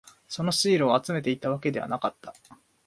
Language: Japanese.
そのシールを集めていたわけではなかった。